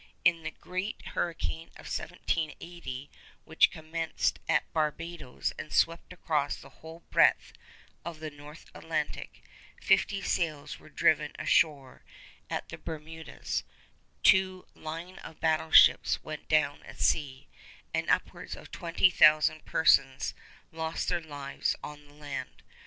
In the great hurricane of 1780, which commenced at Barbadoes and swept across the whole breadth of the North Atlantic, fifty sails were driven ashore at the Bermudas, two line of battle ships went down at sea, and upwards of twenty thousand persons lost their lives on the land.